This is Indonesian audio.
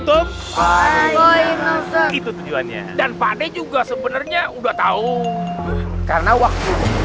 itu itu tujuannya dan pade juga sebenarnya udah tahu karena waktu bingung